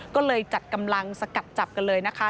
ก็เลยจัดกำลังสกัดจับกันเลยนะคะ